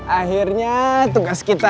akhirnya tugas kita